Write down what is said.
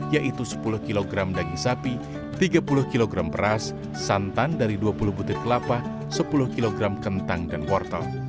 yaitu sepuluh kg daging sapi tiga puluh kg beras santan dari dua puluh butir kelapa sepuluh kg kentang dan wortel